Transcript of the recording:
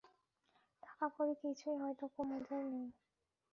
টাকাকড়ি কিছুই হয়তো কুমুদের নাই।